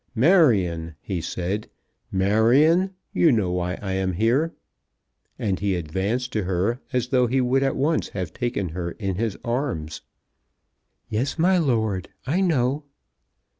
"Marion," he said, "Marion, you know why I am here!" And he advanced to her, as though he would at once have taken her in his arms. "Yes, my lord, I know."